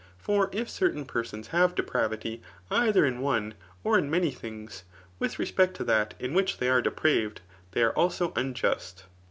For if certain persons have depravity either in one, or in many things, with respect to that in which they are depraved they are also unjust.